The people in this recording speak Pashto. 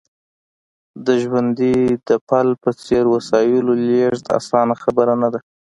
د ژرندې د پل په څېر وسایلو لېږد اسانه خبره نه ده